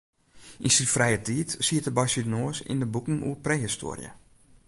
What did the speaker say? Yn syn frije tiid siet er mei syn noas yn de boeken oer prehistoarje.